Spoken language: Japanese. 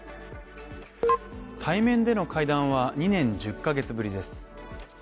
対面での会談は２年１０か月ぶりです。